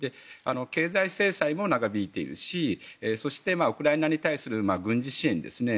経済制裁も長引いているしそして、ウクライナに対する軍事支援ですね。